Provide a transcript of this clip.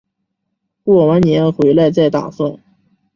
过完年回来再打算